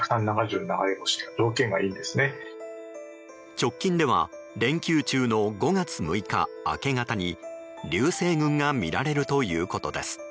直近では連休中の５月６日明け方に流星群が見られるということです。